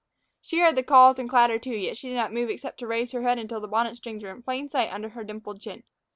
She heard the calls and clatter, too; yet she did not move except to raise her head until the bonnet strings were in plain sight under her dimpled chin.